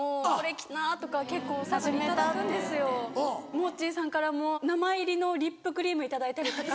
モッチーさんからも名前入りのリップクリーム頂いたりとか。